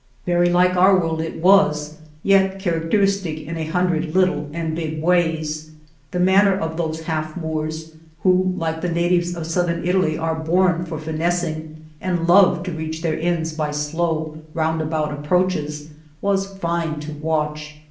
Very like our world it was, yet character istic in a hundred little and big ways. The manner of those half Moors, who like the natives of southern .Italy are born for finess ing, and love to reach their ends by slow, roundabout approaches, was fine to watch.